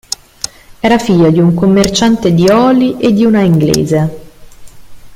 Era figlio di un commerciante di oli e di una inglese.